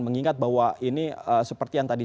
mengingat bahwa ini seperti yang tadi